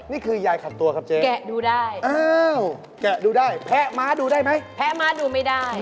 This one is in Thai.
นี่คือหญ่ขัดตัวครับเจ๊ฮะอ้าวแพะม้าดูได้